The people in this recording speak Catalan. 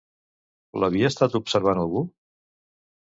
L'havia estat observant algú?